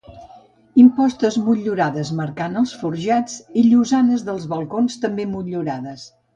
Impostes motllurades marcant els forjats i llosanes dels balcons també motllurades.